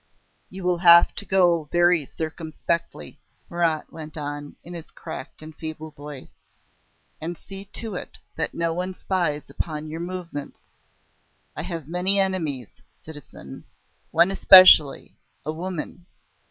"You will have to go very circumspectly," Marat went on, in his cracked and feeble voice. "And see to it that no one spies upon your movements. I have many enemies, citizen ... one especially ... a woman....